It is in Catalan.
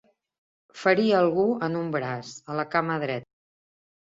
Ferir algú en un braç, a la cama dreta.